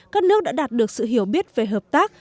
các nước đã đạt được sự hiểu biết về hợp tác